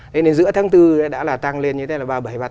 thế nên giữa tháng bốn đã là tăng lên như thế là ba mươi bảy ba mươi tám